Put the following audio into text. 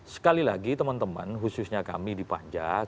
sekali lagi teman teman khususnya kami di panjat